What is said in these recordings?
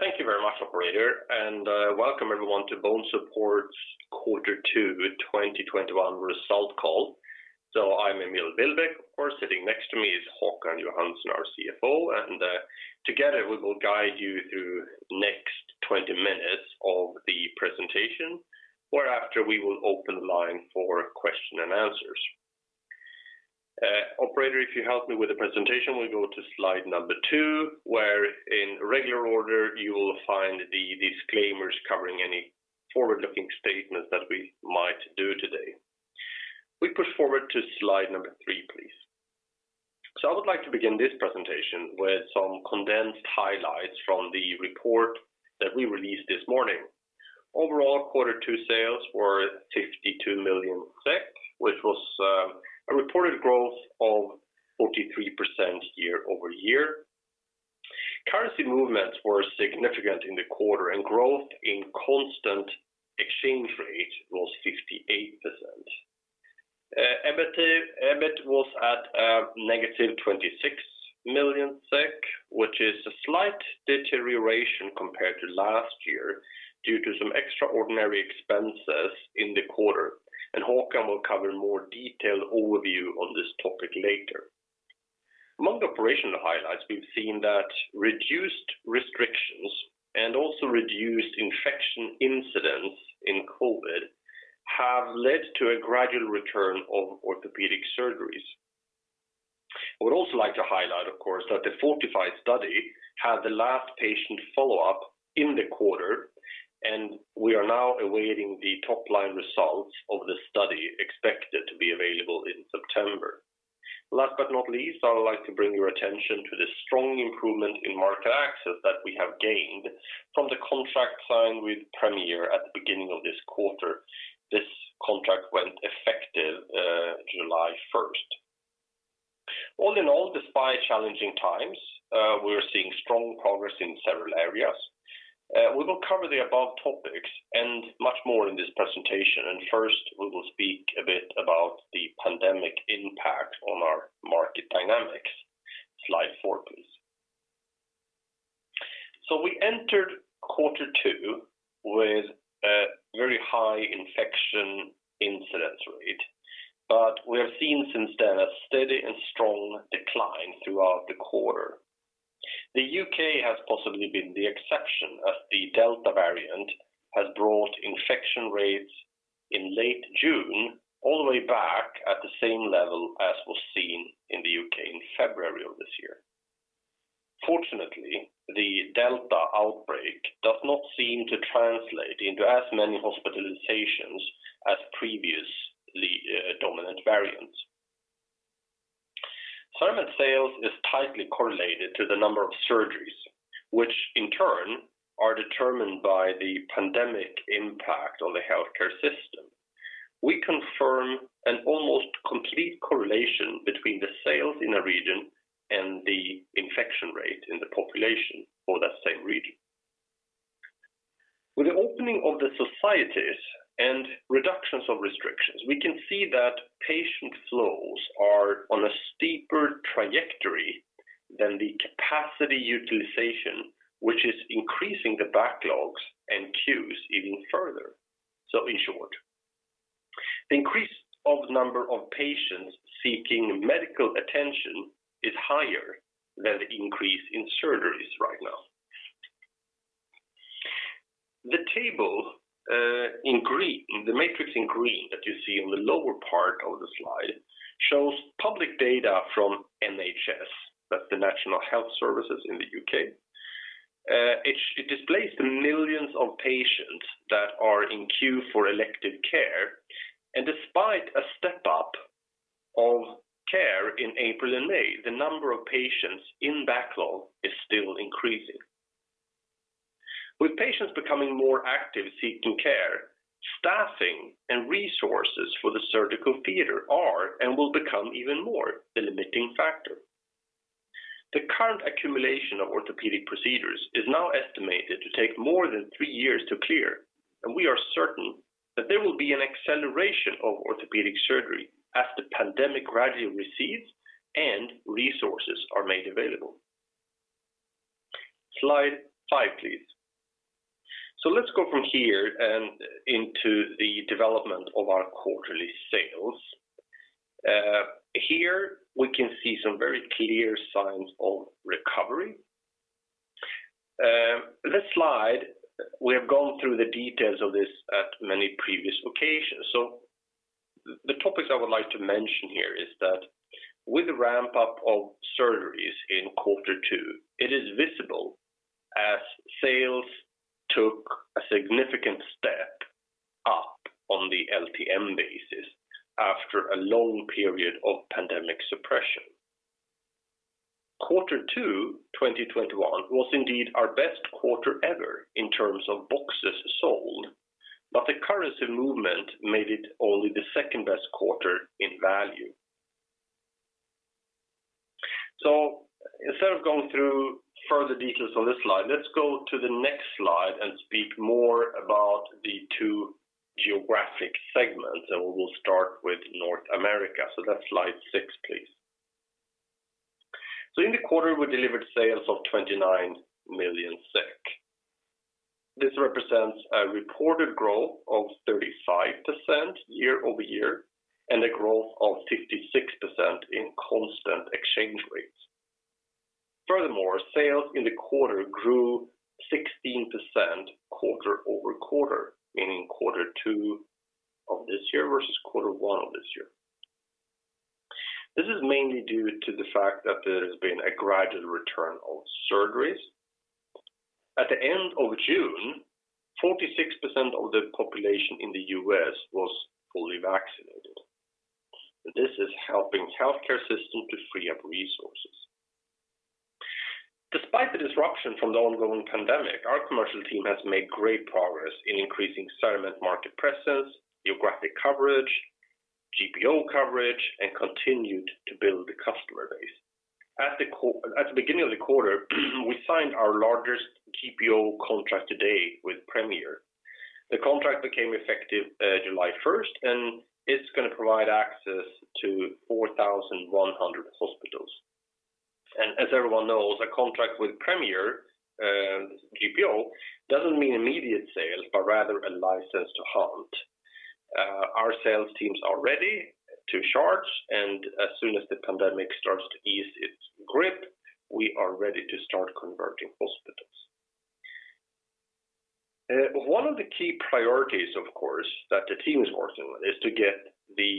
Thank you very much, operator, and welcome everyone to BONESUPPORT quarter two 2021 result call. I'm Emil Billbäck. Of course, sitting next to me is Håkan Johansson, our CFO, and together we will guide you through next 20 minutes of the presentation, where after we will open the line for question and answers. Operator, if you help me with the presentation, we'll go to slide number two, where in regular order you will find the disclaimers covering any forward-looking statements that we might do today. We push forward to slide number three, please. I would like to begin this presentation with some condensed highlights from the report that we released this morning. Overall, quarter two sales were 52 million, which was a reported growth of 43% year-over-year. Currency movements were significant in the quarter and growth in constant exchange rate was 58%. EBIT was at a -26 million SEK, which is a slight deterioration compared to last year due to some extraordinary expenses in the quarter. Håkan will cover more detailed overview on this topic later. Among operational highlights, we've seen that reduced restrictions and also reduced infection incidents in COVID have led to a gradual return of orthopedic surgeries. We'd also like to highlight, of course, that the FORTIFY study had the last patient follow-up in the quarter, and we are now awaiting the top-line results of the study expected to be available in September. Last but not least, I would like to bring your attention to the strong improvement in market access that we have gained from the contract signed with Premier at the beginning of this quarter. This contract went effective July 1st. All in all, despite challenging times, we're seeing strong progress in several areas. We will cover the above topics and much more in this presentation. First, we will speak a bit about the pandemic impact on our market dynamics. Slide four, please. We entered quarter two with a very high infection incidence rate, we have seen since then a steady and strong decline throughout the quarter. The U.K. has possibly been the exception as the Delta variant has brought infection rates in late June all the way back at the same level as was seen in the U.K. in February of this year. Fortunately, the Delta outbreak does not seem to translate into as many hospitalizations as previous dominant variants. CERAMENT sales is tightly correlated to the number of surgeries, which in turn are determined by the pandemic impact on the healthcare system. We confirm an almost complete correlation between the sales in a region and the infection rate in the population for that same region. With the opening of the societies and reductions of restrictions, we can see that patient flows are on a steeper trajectory than the capacity utilization, which is increasing the backlogs and queues even further. In short, increase of number of patients seeking medical attention is higher than increase in surgeries right now. The matrix in green that you see in the lower part of the slide shows public data from NHS, that's the National Health Service in the U.K. It displays the millions of patients that are in queue for elective care, and despite a step-up of care in April and May, the number of patients in backlog is still increasing. With patients becoming more active seeking care, staffing and resources for the surgical theater are, and will become even more, the limiting factor. The current accumulation of orthopedic procedures is now estimated to take more than three years to clear. We are certain that there will be an acceleration of orthopedic surgery as the pandemic gradually recedes and resources are made available. Slide five, please. Let's go from here and into the development of our quarterly sales. Here we can see some very clear signs of recovery. The slide, we have gone through the details of this at many previous occasions. The topics I would like to mention here is that with the ramp-up of surgeries in quarter two, it is visible as sales took a significant step up on the LTM basis after a long period of pandemic suppression. Quarter two 2021 was indeed our best quarter ever in terms of boxes sold, but the currency movement made it only the second-best quarter in value. Instead of going through further details on this slide, let's go to the next slide and speak more about the two-geographic segments, and we will start with North America. Slide six, please. In the quarter, we delivered sales of 29 million SEK. This represents a reported growth of 35% year-over-year and a growth of 56% in constant exchange rates. Furthermore, sales in the quarter grew 16% quarter-over-quarter, meaning quarter two of this year versus quarter one of this year. This is mainly due to the fact that there has been a gradual return of surgeries. At the end of June, 46% of the population in the U.S. was fully vaccinated. This is helping the healthcare system to free up resources. Despite the disruption from the ongoing pandemic, our commercial team has made great progress in increasing CERAMENT market presence, geographic coverage, GPO coverage, and continued to build the customer base. At the beginning of the quarter, we signed our largest GPO contract to date with Premier. The contract became effective July 1st, it's going to provide access to 4,100 hospitals. As everyone knows, a contract with Premier GPO doesn't mean immediate sales, but rather a license to hunt. Our sales teams are ready to charge, as soon as the pandemic starts to ease its grip, we are ready to start converting hospitals. One of the key priorities, of course, that the team is working on is to get the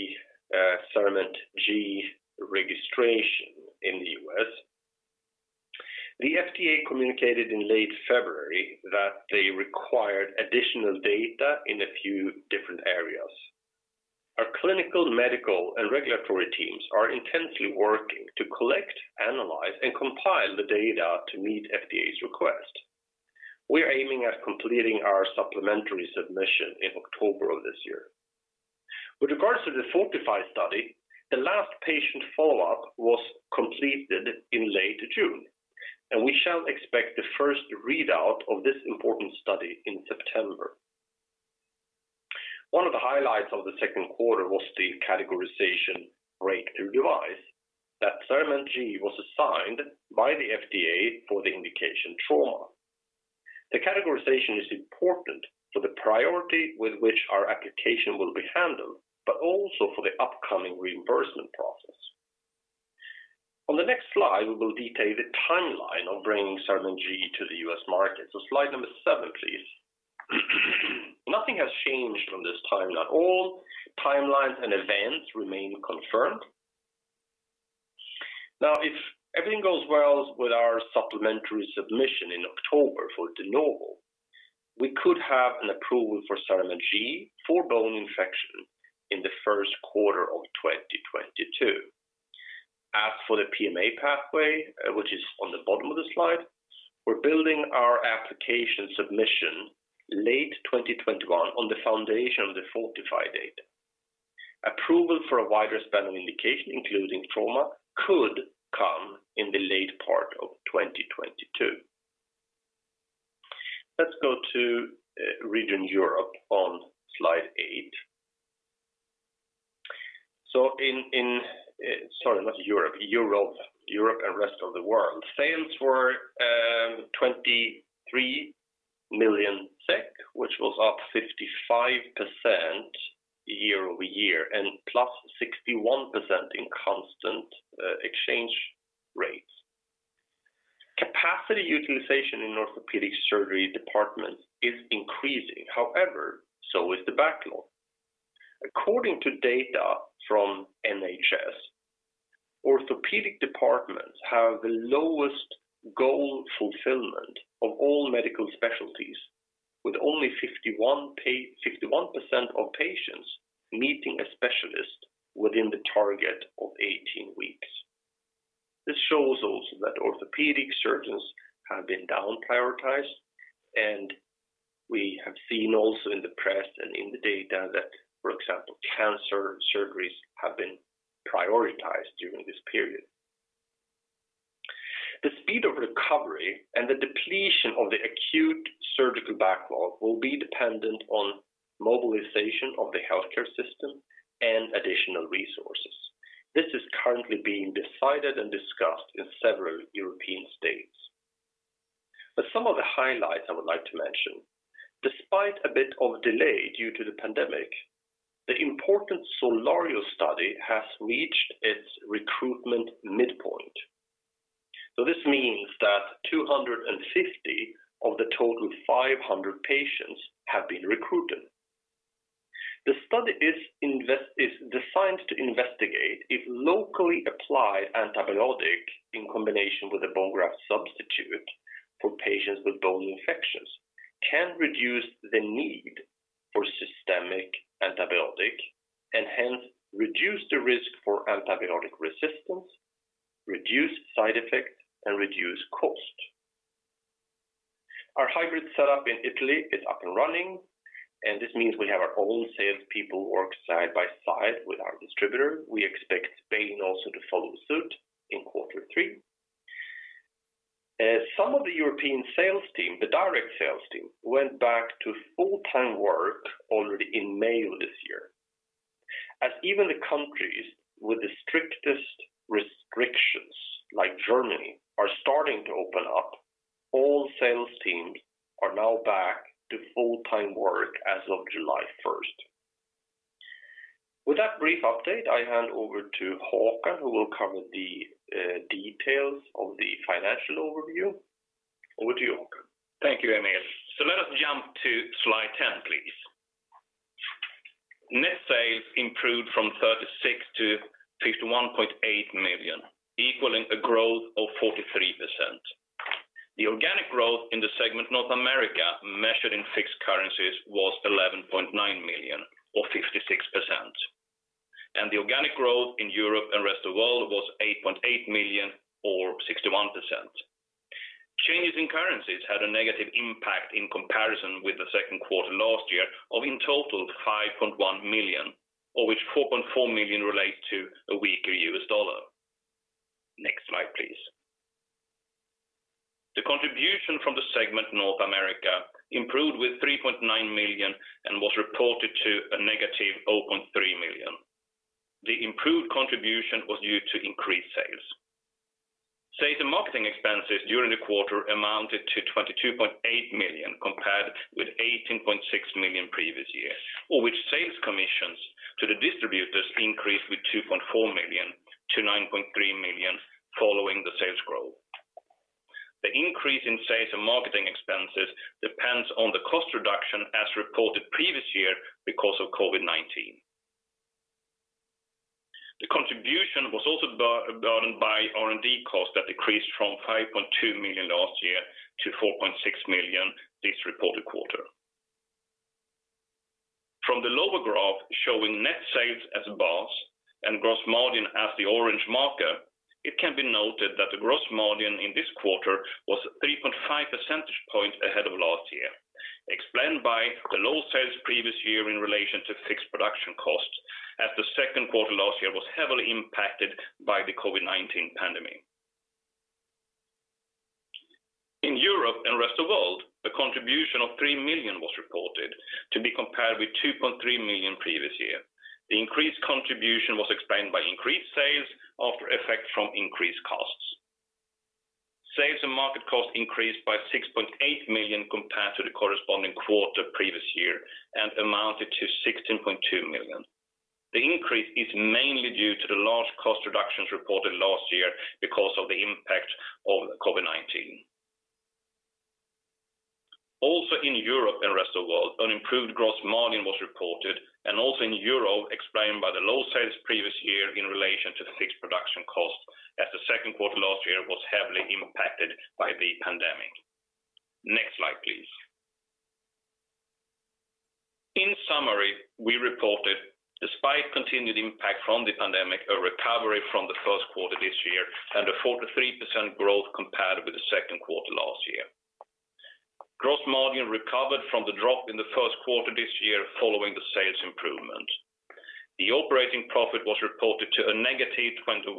CERAMENT G registration in the U.S. The FDA communicated in late February that they required additional data in a few different areas. Our clinical, medical, and regulatory teams are intensely working to collect, analyze, and compile the data to meet FDA's request. We are aiming at completing our supplementary submission in October of this year. With regards to the FORTIFY study, the last patient follow-up was completed in late June, and we shall expect the first readout of this important study in September. One of the highlights of the second quarter was the categorization breakthrough device that CERAMENT G was assigned by the FDA for the indication trauma. The categorization is important for the priority with which our application will be handled, but also for the upcoming reimbursement process. On the next slide, we will detail the timeline of bringing CERAMENT G to the U.S. market. Slide number seven, please. Nothing has changed from this timeline at all. Timelines and events remain confirmed. Now, if everything goes well with our supplementary submission in October for De Novo, we could have an approval for CERAMENT G for bone infection in the first quarter of 2022. As for the PMA pathway, which is on the bottom of the slide, we're building our application submission late 2021 on the foundation of the FORTIFY data. Approval for a wider span of indication, including trauma, could come in the late part of 2022. Let's go to region Europe on slide eight. Sorry, not Europe. Europe and rest of the world. Sales were 23 million SEK, which was up 55% year-over-year and +61% in constant exchange rates. Capacity utilization in orthopedic surgery departments is increasing. However, so is the backlog. According to data from NHS, orthopedic departments have the lowest goal fulfillment of all medical specialties, with only 51% of patients meeting a specialist within the target of 18 weeks. We have seen also that orthopedic surgeons have been down-prioritized, and we have seen also in the press and in the data that, for example, cancer surgeries have been prioritized during this period. The speed of recovery and the depletion of the acute surgical backlog will be dependent on mobilization of the healthcare system and additional resources. This is currently being decided and discussed in several European states. Some of the highlights I would like to mention. Despite a bit of delay due to the pandemic, the important SOLARIO study has reached its recruitment midpoint. This means that 250 of the total 500 patients have been recruited. The study is designed to investigate if locally applied antibiotic in combination with a bone graft substitute for patients with bone infections can reduce the need for systemic antibiotic and hence reduce the risk for antibiotic resistance, reduce side effects, and reduce cost. Our hybrid setup in Italy is up and running, and this means we have our own sales people work side by side with our distributor. We expect Spain also to follow suit in quarter three. Some of the European sales team, the direct sales team, went back to full-time work only in May of this year. As even the countries with the strictest restrictions, like Germany, are starting to open up, all sales teams are now back to full-time work as of July 1st. With that brief update, I hand over to Håkan, who will cover the details of the financial overview. Over to you, Håkan. Thank you, Emil. Let us jump to slide 10, please. Net sales improved from 36 million-51.8 million, equaling a growth of 43%. The organic growth in the segment North America measured in fixed currencies was 11.9 million or 56%. The organic growth in Europe and rest of world was 8.8 million or 61%. Changes in currencies had a negative impact in comparison with the second quarter last year of in total 5.1 million, of which 4.4 million relate to a weaker U.S. dollar. Next slide, please. The contribution from the segment North America improved with $3.9 million and was reported to $-0.3 million. The improved contribution was due to increased sales. Sales and marketing expenses during the quarter amounted to 22.8 million compared with $18.6 million previous year, of which sales commissions to the distributors increased with $2.4 million-$9.3 million following the sales growth. The increase in sales and marketing expenses depends on the cost reduction as reported previous year because of COVID-19. The contribution was also driven by R&D costs that decreased from $5.2 million last year to $4.6 million this reported quarter. From the lower graph showing net sales as bars and gross margin as the orange marker, it can be noted that the gross margin in this quarter was 3.5 percentage points ahead of last year, explained by the low sales previous year in relation to fixed production costs, as the second quarter last year was heavily impacted by the COVID-19 pandemic. In Europe and rest of world, a contribution of 3 million was reported, to be compared with 2.3 million previous year. The increased contribution was explained by increased sales after effect from increased costs. Sales and market cost increased by 6.8 million compared to the corresponding quarter previous year and amounted to 16.2 million. The increase is mainly due to the large cost reductions reported last year because of the impact of COVID-19. In Europe and rest of world, an improved gross margin was reported and also in Europe explained by the low sales previous year in relation to fixed production costs as the second quarter last year was heavily impacted by the pandemic. Next slide, please. In summary, we reported, despite continued impact from the pandemic, a recovery from the first quarter this year and a 43% growth compared with the second quarter last year. Gross margin recovered from the drop in the first quarter this year following the sales improvement. The operating profit was reported to a negative 25.9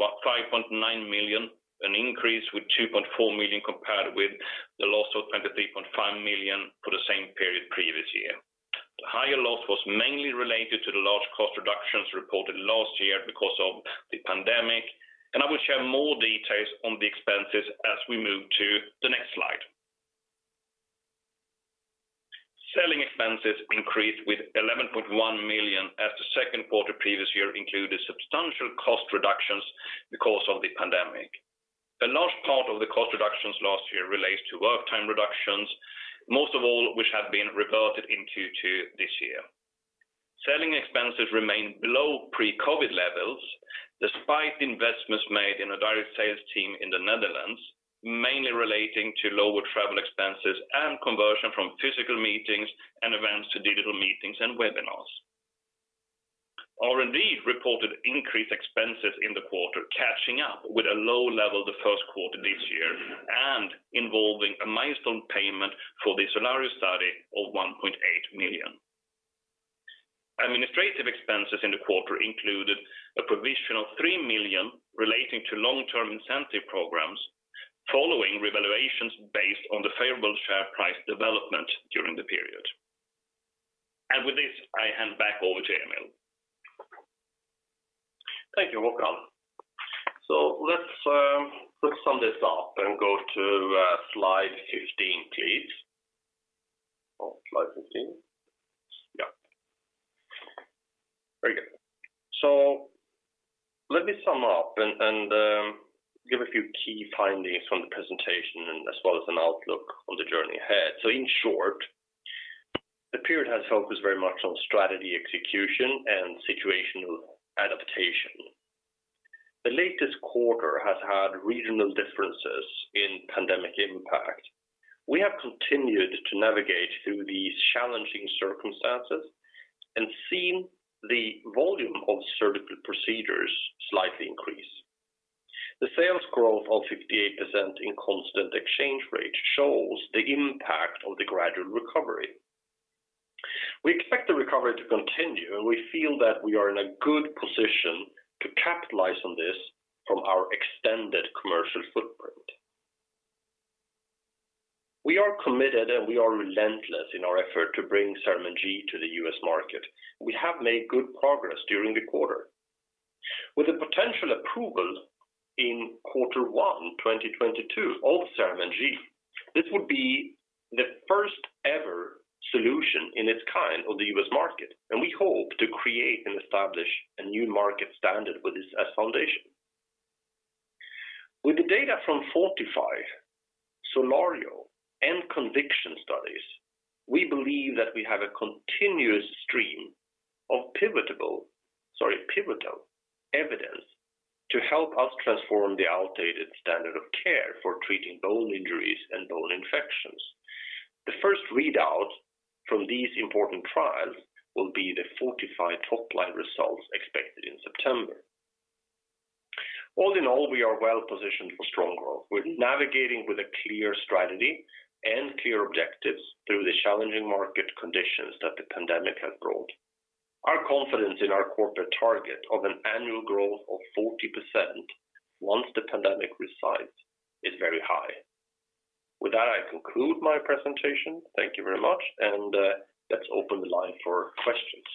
million, an increase with 2.4 million compared with the loss of 23.5 million for the same period previous year. The higher loss was mainly related to the large cost reductions reported last year because of the pandemic, and I will share more details on the expenses as we move to the next slide. Selling expenses increased with 11.1 million as the second quarter previous year included substantial cost reductions because of the pandemic. The large part of the cost reductions last year relates to work time reductions, most of all which have been reverted in Q2 this year. Selling expenses remain below pre-COVID levels despite the investments made in the direct sales team in the Netherlands, mainly relating to lower travel expenses and conversion from physical meetings and events to digital meetings and webinars. R&D reported increased expenses in the quarter, catching up with a low level the first quarter this year and involving a milestone payment for the SOLARIO study of 1.8 million. Administrative expenses in the quarter included a provision of 3 million relating to long-term incentive programs following revaluations based on the favorable share price development during the period. With this, I hand back over to Emil. Thank you, Håkan. Let's sum this up and go to slide 15, please. Slide 15? Yep. Very good. Let me sum up and give a few key findings from the presentation as well as an outlook on the journey ahead. In short, the period has focused very much on strategy execution and situational adaptation. The latest quarter has had regional differences in pandemic impact. We have continued to navigate through these challenging circumstances and seen the volume of surgical procedures slightly increase. The sales growth of 58% in constant exchange rate shows the impact of the gradual recovery. We expect the recovery to continue, and we feel that we are in a good position to capitalize on this from our extended commercial footprint. We are committed, and we are relentless in our effort to bring CERAMENT G to the U.S. market. We have made good progress during the quarter. With a potential approval in quarter one 2022 of CERAMENT G, this would be the first-ever solution in its kind on the U.S. market, and we hope to create and establish a new market standard with this as foundation. With the data from FORTIFY, SOLARIO, and CONVICTION studies, we believe that we have a continuous stream of pivotal evidence to help us transform the outdated standard of care for treating bone injuries and bone infections. The first readout from these important trials will be the FORTIFY top-line results expected in September. All in all, we are well positioned for strong growth. We're navigating with a clear strategy and clear objectives through the challenging market conditions that the pandemic has brought. Our confidence in our corporate target of an annual growth of 40% once the pandemic resides is very high. With that, I conclude my presentation. Thank you very much, and let's open the line for questions.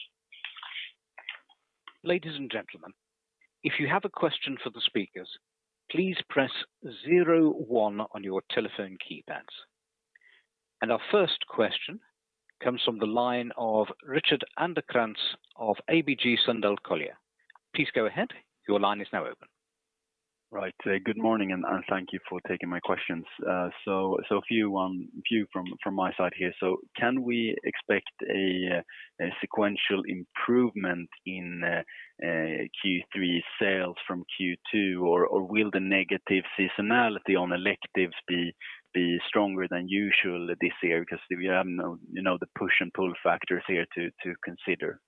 Ladies and gentlemen, if you have a question for the speakers, please press zero one on your telephone keypads. Our first question comes from the line of Rickard Anderkrantz of ABG Sundal Collier. Please go ahead. Your line is now open. Right. Good morning, and thank you for taking my questions. A few from my side here. Can we expect a sequential improvement in Q3 sales from Q2, or will the negative seasonality on electives be stronger than usual this year? We have the push and pull factors here to consider.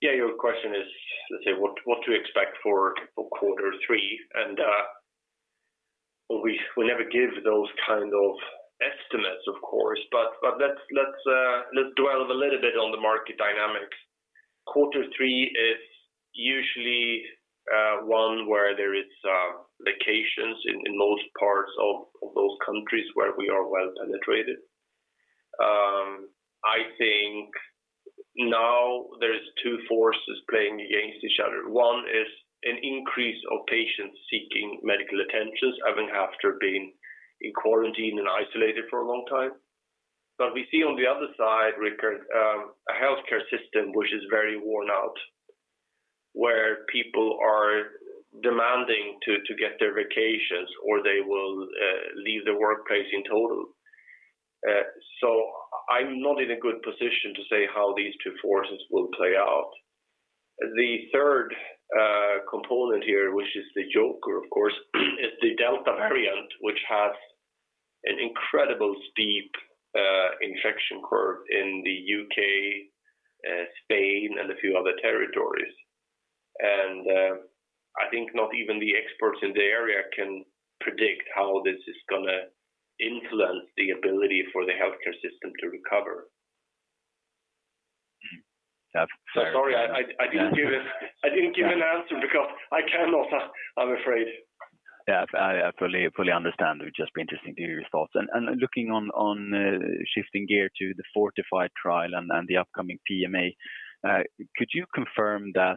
Yeah. Your question is, let's say, what to expect for quarter three. We never give those kind of estimates, of course. Let's dwell a little bit on the market dynamics. Quarter three is usually one where there is vacations in most parts of those countries where we are well penetrated. I think now there is two forces playing against each other. One is an increase of patients seeking medical attention having after being in quarantine and isolated for a long time. We see on the other side, Rickard, a healthcare system which is very worn out, where people are demanding to get their vacations, or they will leave their workplace in total. I'm not in a good position to say how these two forces will play out. The third component here, which is the joker of course, is the Delta variant, which has an incredible steep infection curve in the U.K., Spain, and a few other territories. I think not even the experts in the area can predict how this is going to influence the ability for the healthcare system to recover. Sorry, I didn't give an answer because I cannot, I'm afraid. Yeah. I fully understand. It would just be interesting to hear your thoughts. Looking on shifting gear to the FORTIFY trial and the upcoming PMA, could you confirm that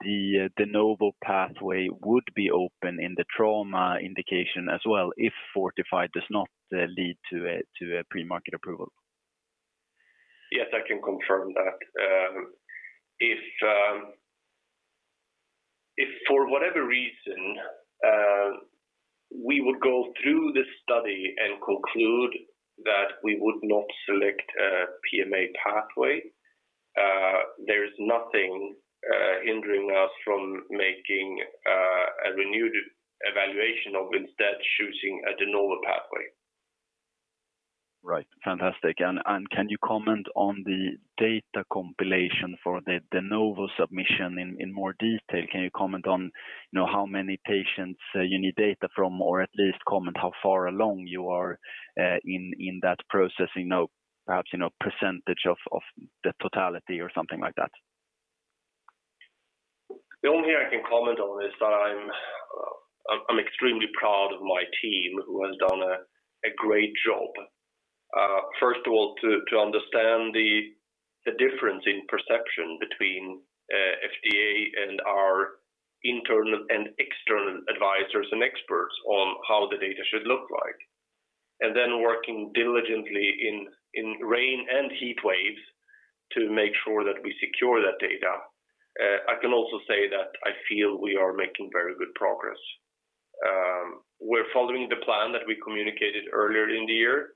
the De Novo pathway would be open in the trauma indication as well if FORTIFY does not lead to a pre-market approval? Yes, I can confirm that. If for whatever reason, we would go through the study and conclude that we would not select a PMA pathway, there is nothing hindering us from making a renewed evaluation of instead choosing a De Novo pathway. Right. Fantastic. Can you comment on the data compilation for the De Novo submission in more detail? Can you comment on how many patients you need data from, or at least comment how far along you are in that process? Perhaps percentage of the totality or something like that. The only thing I can comment on is that I'm extremely proud of my team who has done a great job. First of all, to understand the difference in perception between FDA and our internal and external advisors and experts on how the data should look like. Then working diligently in rain and heat waves to make sure that we secure that data. I can also say that I feel we are making very good progress. We're following the plan that we communicated earlier in the year,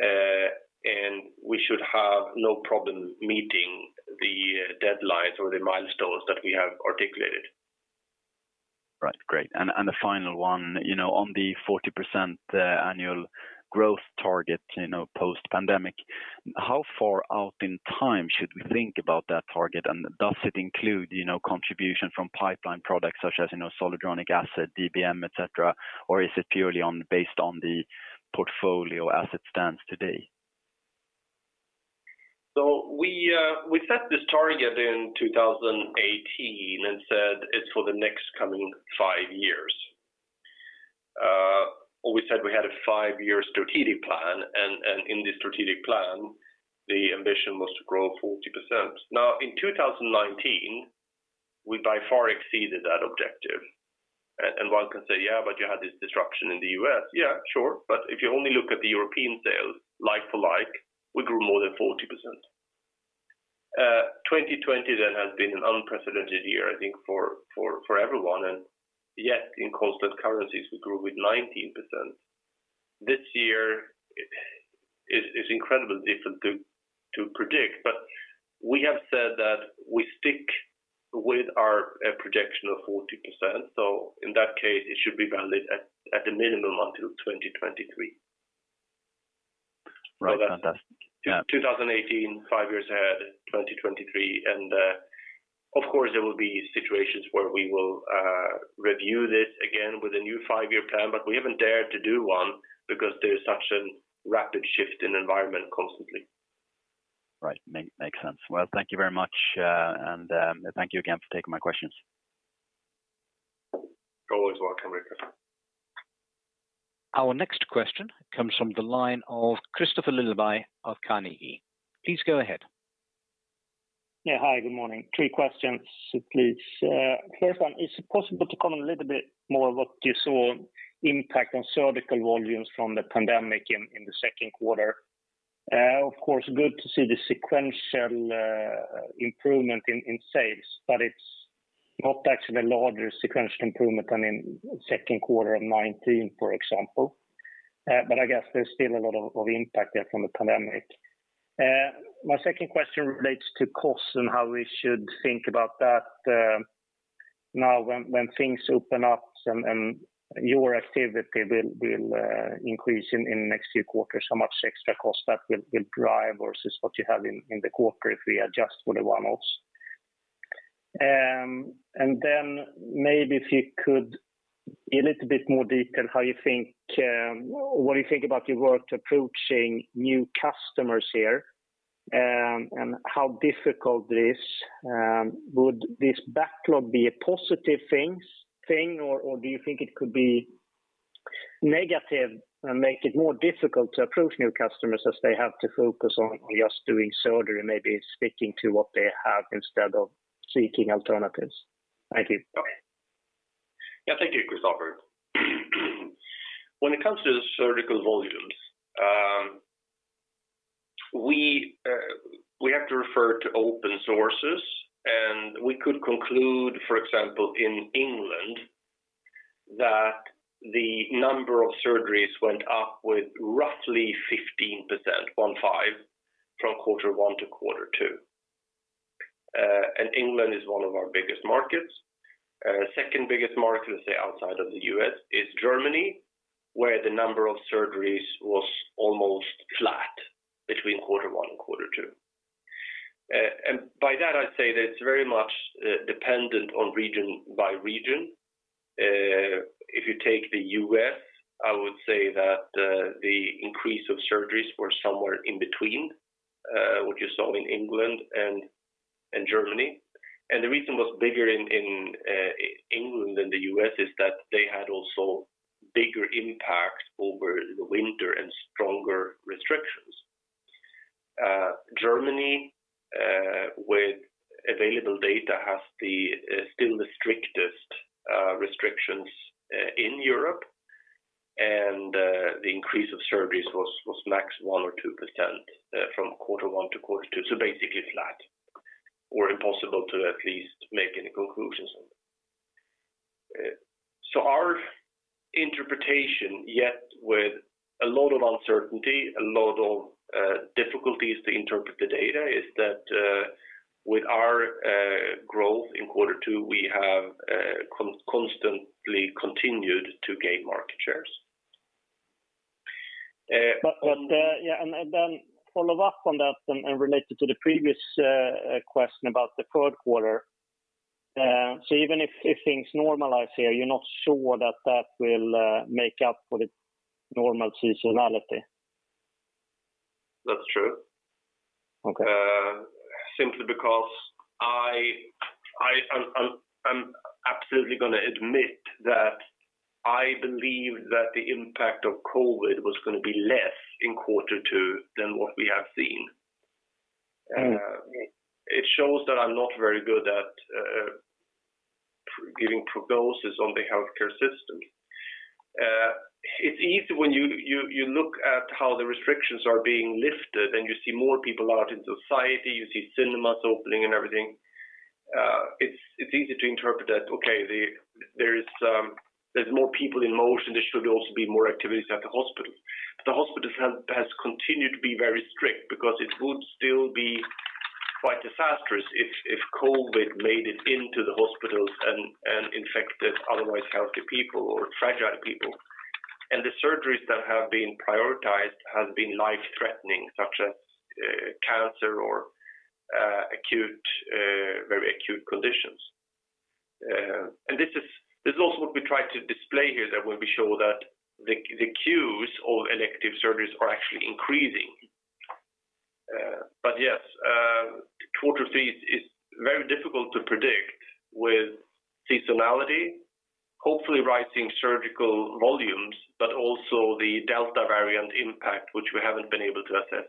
and we should have no problem meeting the deadlines or the milestones that we have articulated. Right. Great. A final one. On the 40% annual growth target, post pandemic, how far out in time should we think about that target, and does it include contribution from pipeline products such as zoledronic acid, DBM, et cetera, or is it purely based on the portfolio as it stands today? We set this target in 2018 and said it's for the next coming five years. We said we had a five-year strategic plan, and in the strategic plan, the ambition was to grow 40%. In 2019, we by far exceeded that objective. One can say, "Yeah, but you had this disruption in the U.S." Yeah, sure. If you only look at the European sales, like for like, we grew more than 40%. 2020 then has been an unprecedented year, I think for everyone. Yet in constant currencies, we grew with 19%. This year, it's incredibly difficult to predict, but we have said that we stick with our projection of 40%. In that case, it should be valid at the minimum until 2023. Right. Fantastic. Yeah. 2018, five years ahead, 2023. Of course, there will be situations where we will review this again with a new five-year plan, but we haven't dared to do one because there's such a rapid shift in environment constantly. Right. Makes sense. Well, thank you very much. Thank you again for taking my questions. You're always welcome, Rickard. Our next question comes from the line of Kristofer Liljeberg of Carnegie. Please go ahead. Yeah. Hi, good morning. Three questions, please. Claesson, is it possible to comment a little bit more what you saw impact on surgical volumes from the pandemic in the second quarter? Of course, good to see the sequential improvement in sales, but it's not actually a larger sequential improvement than in second quarter of 2019, for example. I guess there's still a lot of impact there from the pandemic. My second question relates to cost and how we should think about that now when things open up and your activity will increase in the next few quarters, how much extra cost that will drive, or is this what you have in the quarter if we adjust for the one-offs? Maybe if you could, in a little bit more detail, when you think about your work approaching new customers here, and how difficult it is, would this backlog be a positive thing, or do you think it could be negative and make it more difficult to approach new customers as they have to focus on just doing surgery and maybe sticking to what they have instead of seeking alternatives? Thank you. Bye. Thank you, Kristofer. When it comes to the surgical volumes, we have to refer to open sources. We could conclude, for example, in England, that the number of surgeries went up with roughly 15% from quarter one to quarter two. England is one of our biggest markets. Our second biggest market, let's say, outside of the U.S., is Germany, where the number of surgeries was almost flat between quarter one and quarter two. By that, I'd say that it's very much dependent on region by region. If you take the U.S., I would say that the increase of surgeries were somewhere in between what you saw in England and Germany. The reason it was bigger in England than the U.S. is that they had also bigger impact over the winter and stronger restrictions. Germany, with available data, has still the strictest restrictions in Europe, and the increase of surgeries was max 1% or 2% from quarter one to quarter two, so basically flat or impossible to at least make any conclusions. Our interpretation, yet with a lot of uncertainty, a lot of difficulties to interpret the data, is that with our growth in quarter two, we have constantly continued to gain market shares. Yeah, then follow up on that and related to the previous question about the third quarter. Even if things normalize here, you are not sure that that will make up for the normal seasonality? That's true. Okay. Simply because I'm absolutely going to admit that I believe that the impact of COVID was going to be less in quarter two than what we have seen. It shows that I'm not very good at giving prognosis on the healthcare system. It's easy when you look at how the restrictions are being lifted and you see more people out in society, you see cinemas opening and everything. It's easy to interpret that, okay, there's more people in motion, there should also be more activities at the hospital. The hospital has continued to be very strict because it would still be quite disastrous if COVID-19 made it into the hospitals and infected otherwise healthy people or fragile people. The surgeries that have been prioritized have been life-threatening, such as cancer or very acute conditions. This is also what we try to display here then when we show that the queues of elective surgeries are actually increasing. Yes, quarter [three], it's very difficult to predict with seasonality, hopefully rising surgical volumes, but also the Delta variant impact, which we haven't been able to assess.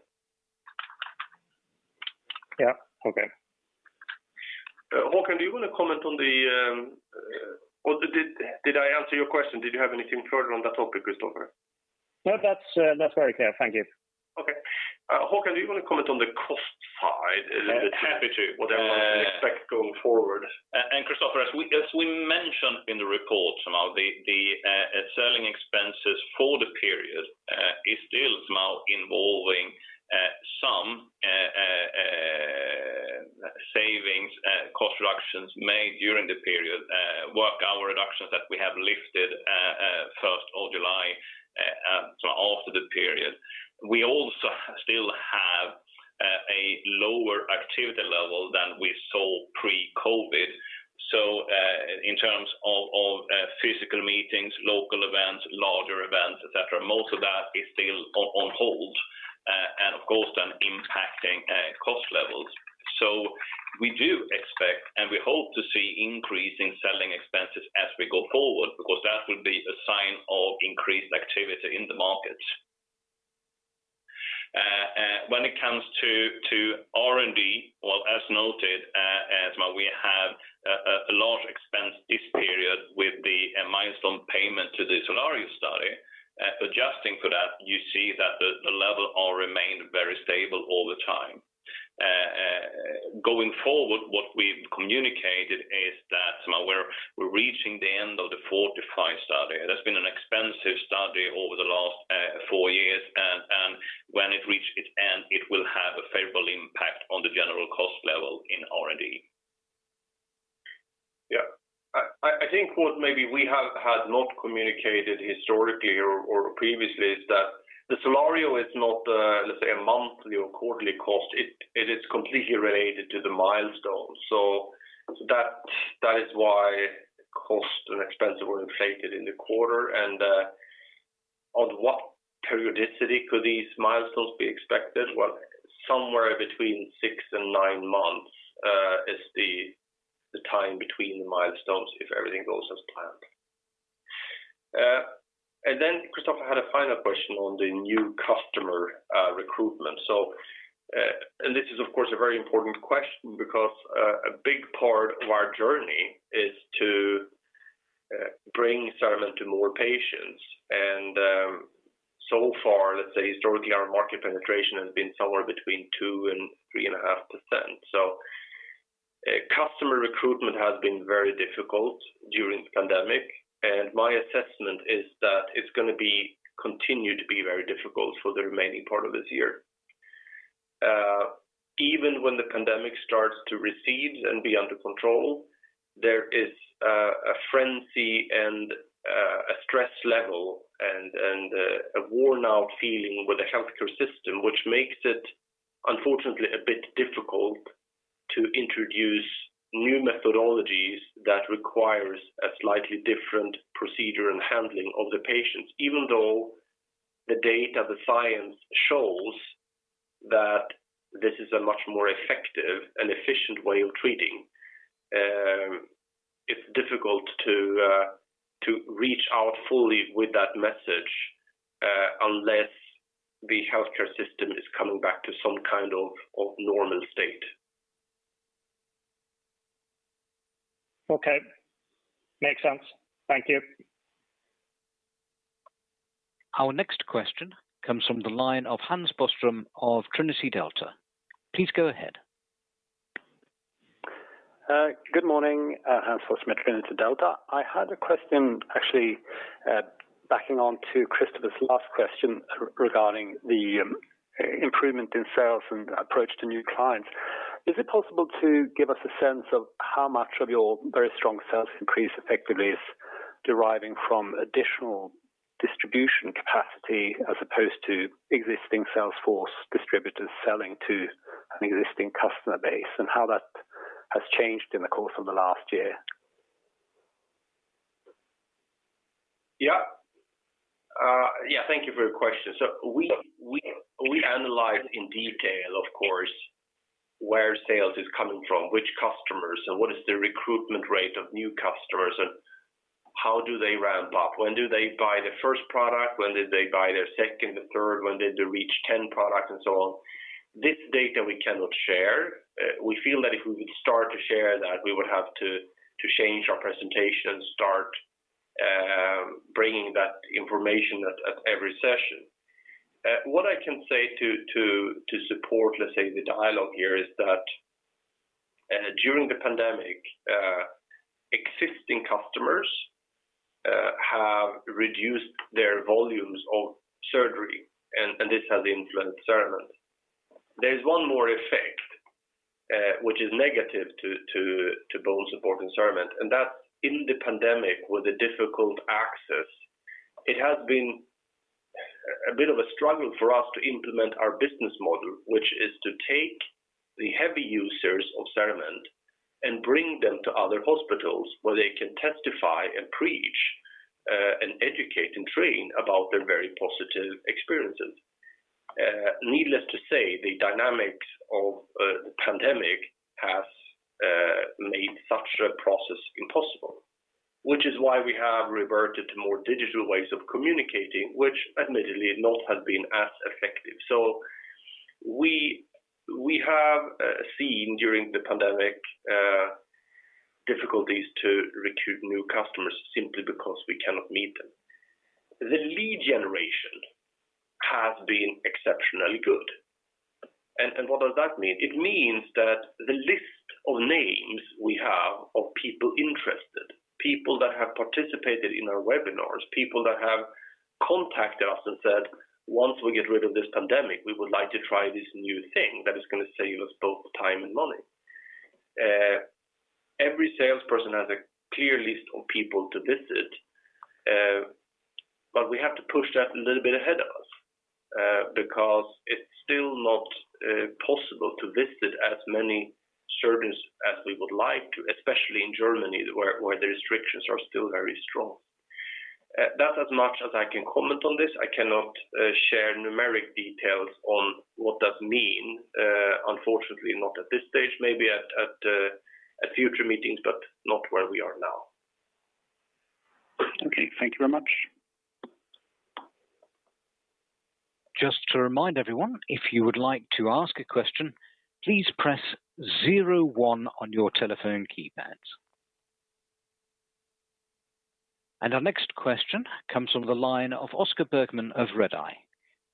Yeah. Okay. Håkan, do you want to comment? Well, did I answer your question? Did you have anything further on that topic, Kristofer? No, that's very clear. Thank you. Okay. Håkan, do you want to comment on the cost side, the trajectory, what we might expect going forward? Kristofer, as we mentioned in the report, the selling expenses for the period is still now involving some savings, cost reductions made during the period, work hour reductions that we have lifted 1st July, so after the period. We also still have a lower activity level than we saw pre-COVID. In terms of physical meetings, local events, larger events, et cetera, most of that is still on hold and of course then impacting cost levels. We do expect, and we hope to see increase in selling expenses as we go forward, because that will be a sign of increased activity in the market. When it comes to R&D, well, as noted, we have a large expense this period with the milestone payment to the SOLARIO study. Adjusting for that, you see that the level all remained very stable all the time. Going forward, what we've communicated is that we're reaching the end of the FORTIFY study, and it's been an expensive study over the last four years, and when it reaches its end, it will have a favorable impact on the general cost level in R&D. Yeah. I think what maybe we have had not communicated historically or previously is that the SOLARIO is not, let's say, a monthly or quarterly cost. It is completely related to the milestones. That is why costs and expenses were inflated in the quarter and on what periodicity could these milestones be expected? Well, somewhere between six and nine months is the time between the milestones if everything goes as planned. Kristofer had a final question on the new customer recruitment. This is of course a very important question because a big part of our journey is to bring CERAMENT to more patients. So far, let's say historically our market penetration has been somewhere between 2% and 3.5%. Customer recruitment has been very difficult during the pandemic, and my assessment is that it's going to continue to be very difficult for the remaining part of this year. Even when the pandemic starts to recede and be under control, there is a frenzy and a stress level and a worn-out feeling with the healthcare system, which makes it unfortunately a bit difficult to introduce new methodologies that requires a slightly different procedure and handling of the patients, even though the data, the science shows that this is a much more effective and efficient way of treating. It's difficult to reach out fully with that message unless the healthcare system is coming back to some kind of normal state. Okay. Makes sense. Thank you. Our next question comes from the line of Hans Boström of Trinity Delta. Please go ahead. Good morning. Hans Boström, Trinity Delta. I had a question actually backing on to Kristofer's last question regarding the improvement in sales and approach to new clients. Is it possible to give us a sense of how much of your very strong sales increase effectively is deriving from additional distribution capacity as opposed to existing sales force distributors selling to an existing customer base, and how that has changed in the course of the last year? Thank you for your question. We analyze in detail of course where sales is coming from, which customers, and what is the recruitment rate of new customers, and how do they ramp up? When do they buy the first product? When did they buy their second, the third? When did they reach 10 products and so on? This data we cannot share. We feel like if we could start to share that we would have to change our presentation and start bringing that information at every session. What I can say to support, let's say, the dialogue here is that during the pandemic existing customers have reduced their volumes of surgery, and this has influenced CERAMENT. There's one more effect which is negative to BONESUPPORT and CERAMENT, and that's in the pandemic with the difficult access. It has been a bit of a struggle for us to implement our business model, which is to take the heavy users of CERAMENT and bring them to other hospitals where they can testify and preach and educate and train about their very positive experiences. Needless to say, the dynamics of pandemic have made such a process impossible, which is why we have reverted to more digital ways of communicating, which admittedly not has been as effective. We have seen during the pandemic, difficulties to recruit new customers simply because we cannot meet them. The lead generation has been exceptionally good. What does that mean? It means that the list of names we have of people interested, people that have participated in our webinars, people that have contacted us and said, "Once we get rid of this pandemic, we would like to try this new thing that is going to save us both time and money." Every salesperson has a clear list of people to visit, but we have to push that a little bit ahead of us, because it's still not possible to visit as many surgeons as we would like to, especially in Germany, where the restrictions are still very strong. That's as much as I can comment on this. I cannot share numeric details on what that means. Unfortunately, not at this stage. Maybe at a future meeting, but not where we are now. Okay. Thank you very much. Just to remind everyone, if you would like to ask a question, please press zero one on your telephone keypad. Our next question comes from the line of Oscar Bergman of Redeye.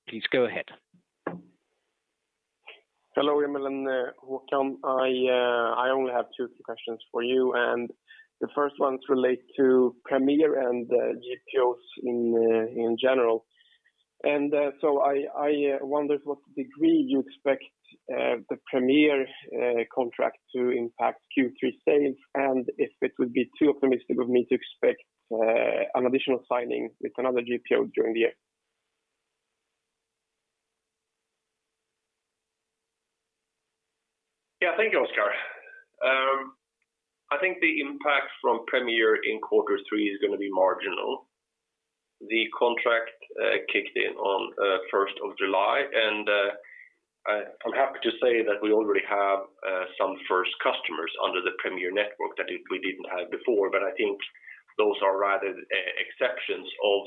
Please go ahead. Hello, Emil and Håkan. I only have two questions for you. The first one is related to Premier and the GPOs in general. I wonder to what degree you expect the Premier contract to impact Q3 sales, and if it would be too optimistic of me to expect an additional signing with another GPO during the year? Yeah. Thank you, Oscar. I think the impact from Premier in quarter three is going to be marginal. The contract kicked in on 1st July. I'm happy to say that we already have some first customers under the Premier network that we didn't have before. I think those are rather exceptions of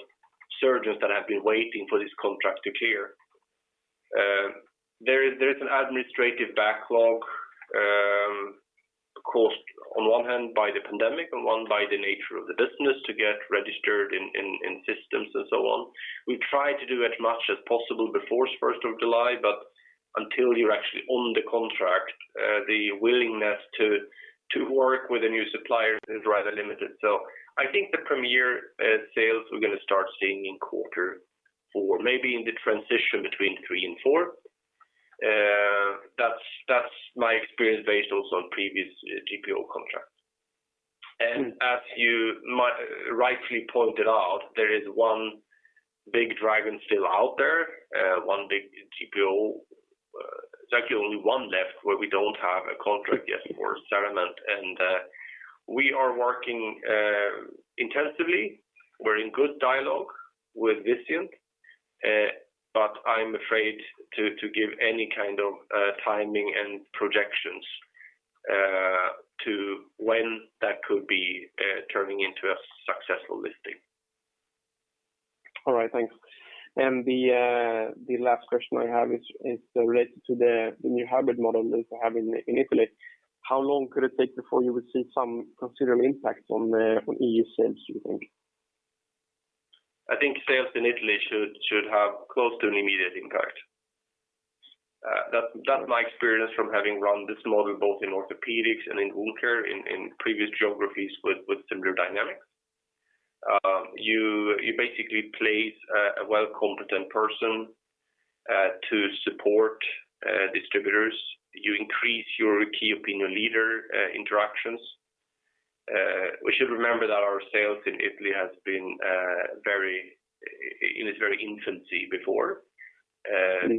surgeons that have been waiting for this contract to clear. There's an administrative backlog, caused on one hand by the pandemic and one by the nature of the business to get registered in systems and so on. We tried to do as much as possible before 1st July. Until you're actually on the contract, the willingness to work with a new supplier is rather limited. I think the Premier sales we're going to start seeing in quarter four, maybe in the transition between three and four. That's my experience also based on previous GPO contracts. As you rightfully pointed out, there is one big dragon still out there, one big GPO, it's actually only one left where we don't have a contract yet for CERAMENT. We are working intensively. We're in good dialogue with Vizient. I'm afraid to give any kind of timing and projections to when that could be turning into a successful listing. All right. Thanks. The last question I have is related to the new hybrid model that you have in Italy. How long could it take before you would see some considerable impact on EU sales, do you think? I think sales in Italy should have close to an immediate impact. That is my experience from having run this model both in orthopedics and in wounds in previous geographies with similar dynamics. You basically place a well-competent person to support distributors. You increase your key opinion leader interactions. We should remember that our sales in Italy has been in its very infancy before. I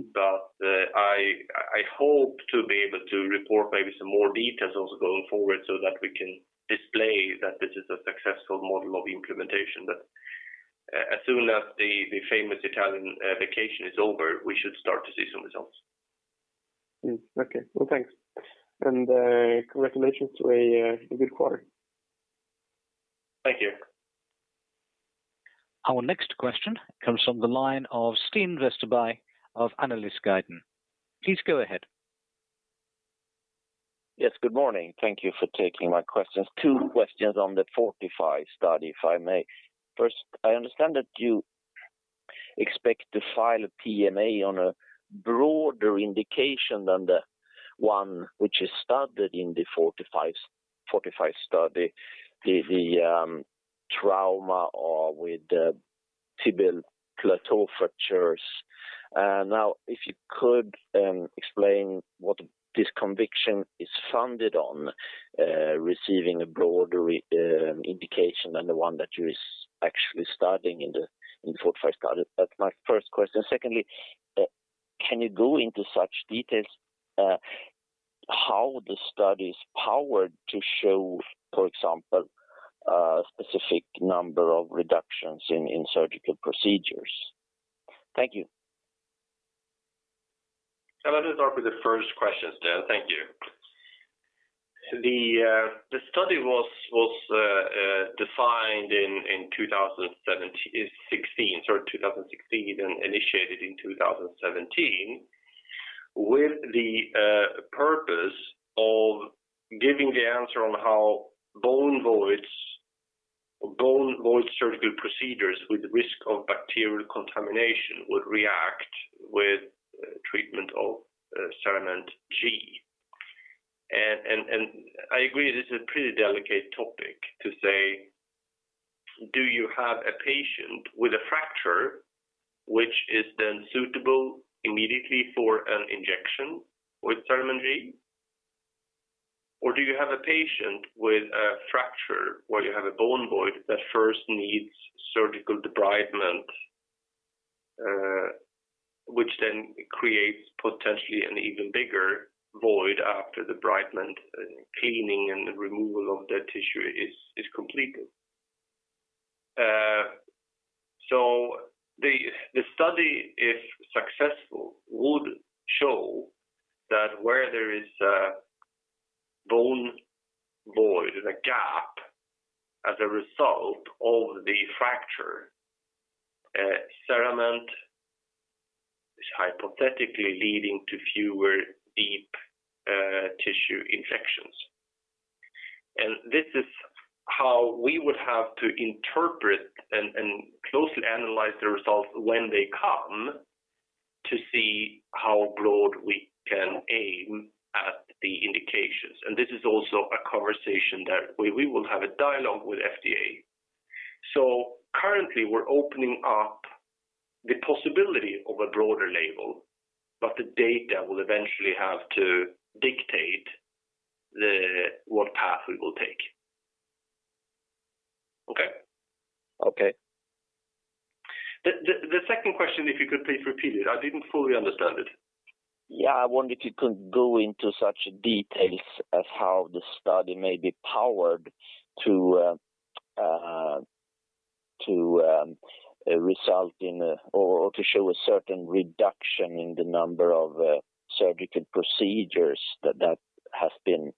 hope to be able to report maybe some more details also going forward so that we can display that this is a successful model of implementation. As soon as the famous Italian vacation is over, we should start to see some results. Okay. Well, thanks. Congratulations to a good quarter. Thank you. Our next question comes from the line of Sten Westerberg of Analysguiden. Please go ahead. Yes, good morning. Thank you for taking my questions. Two questions on the FORTIFY study, if I may. First, I understand that you expect to file a PMA on a broader indication than the one which is studied in the FORTIFY study, the trauma or with the tibial plateau fractures. Now, if you could explain what this conviction is founded on receiving a broader indication than the one that you're actually studying in the FORTIFY study. That's my first question. Secondly, can you go into such details how the study is powered to show, for example, a specific number of reductions in surgical procedures? Thank you. I'll just start with the first question, Sten. Thank you. The study was defined in 2016 and initiated in 2017 with the purpose of giving the answer on how bone void surgical procedures with risk of bacterial contamination would react with treatment of CERAMENT G. I agree, this is a pretty delicate topic to say, do you have a patient with a fracture which is then suitable immediately for an injection with CERAMENT G, or do you have a patient with a fracture where you have a bone void that first needs surgical debridement, which then creates potentially an even bigger void after debridement, cleaning, and removal of dead tissue is completed. The study, if successful, would show that where there is a bone void and a gap as a result of the fracture, CERAMENT is hypothetically leading to fewer deep tissue infections. This is how we would have to interpret and closely analyze the results when they come to see how broad we can aim at the indications. This is also a conversation that we will have a dialogue with FDA. Currently, we're opening up the possibility of a broader label, but the data will eventually have to dictate what path we will take. Okay. Okay. The second question, if you could please repeat it, I didn't fully understand it. Yeah. I wonder if you could go into such details of how the study may be powered to result in, or to show a certain reduction in the number of surgical procedures that have been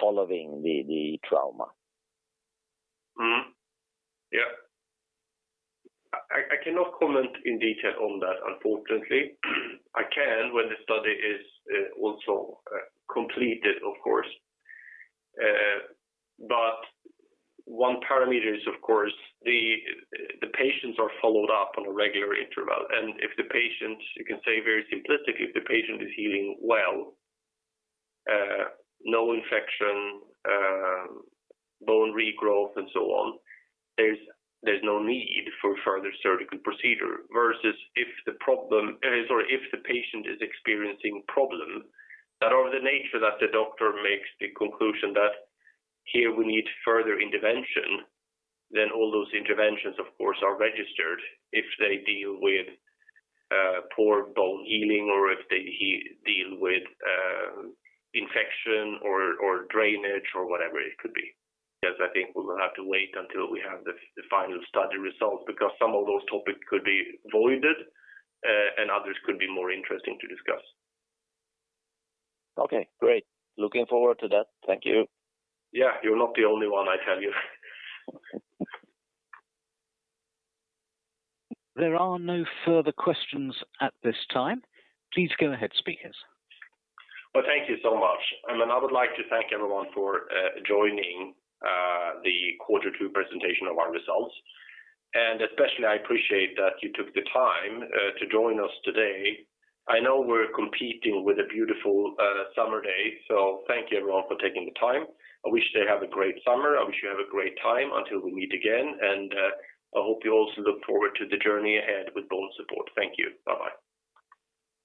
following the trauma. Yeah. I cannot comment in detail on that, unfortunately. I can when the study is also completed, of course. One parameter is, of course, the patients are followed up on a regular interval. If the patient, you can say very simplistically, if the patient is healing well, no infection, bone regrowth, and so on, there's no need for further surgical procedure. Versus if the patient is experiencing problems that are of the nature that the doctor makes the conclusion that here we need further intervention, then all those interventions, of course, are registered if they deal with poor bone healing or if they deal with infection or drainage or whatever it could be. I think we will have to wait until we have the final study results because some of those topics could be voided, and others could be more interesting to discuss. Okay, great. Looking forward to that. Thank you. Yeah. You're not the only one, I tell you. There are no further questions at this time. Please go ahead, speakers. Well, thank you so much. Emil, I would like to thank everyone for joining the Quarter two presentation of our results, and especially I appreciate that you took the time to join us today. I know we're competing with a beautiful summer day, so thank you, everyone, for taking the time. I wish you have a great summer. I wish you have a great time until we meet again, and I hope you also look forward to the journey ahead with BONESUPPORT. Thank you. Bye-bye.